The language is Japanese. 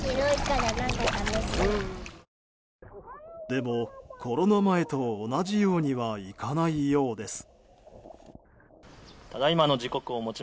でも、コロナ前と同じようにはいかないようです。